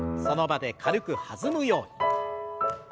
その場で軽く弾むように。